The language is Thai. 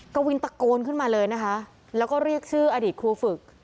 กวินตะโกนขึ้นมาเลยนะคะแล้วก็เรียกชื่ออดีตครูฝึก